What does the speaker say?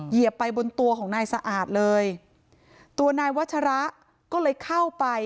เหยียบไปบนตัวของนายสะอาดเลยตัวนายวัชระก็เลยเข้าไป